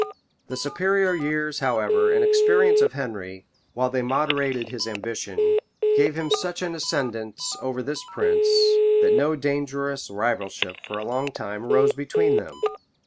The superior years, however, and experience of Henry, while they moderated his ambition, gave him such an ascendant over this prince, that no dangerous rivalship for a long time arose between them.